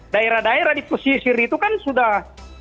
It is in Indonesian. daerah daerah di pesisir itu kan sudah